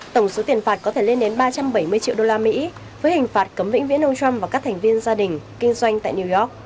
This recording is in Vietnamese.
tổng số tiền phạt có thể lên đến ba trăm bảy mươi triệu đô la mỹ với hình phạt cấm vĩnh viễn ông trump và các thành viên gia đình kinh doanh tại new york